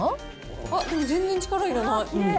あっ、でも全然力いらない。